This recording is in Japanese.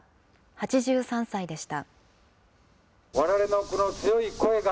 ８３歳でした。